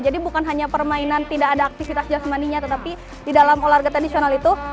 jadi bukan hanya permainan tidak ada aktivitas jasmaninya tetapi di dalam olahraga tradisional itu